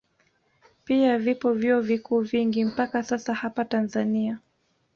Pia vipo vyuo viku vingi mpaka sasa hapa Tanzania